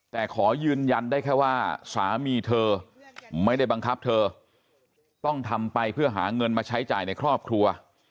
แต่ขอยืนยันได้แค่ว่าสามีเธอไม่ได้บังคับเธอต้องทำไปเพื่อหาเงินมาใช้จ่ายในครอบครัว